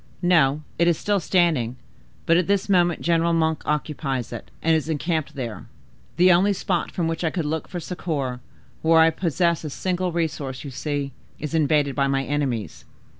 "No, it is still standing: but at this moment General Monk occupies it and is encamped there. The only spot from which I could look for succor, where I possess a single resource, you see, is invaded by my enemies."